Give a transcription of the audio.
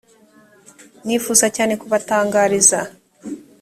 nifuza cyane kubatangariza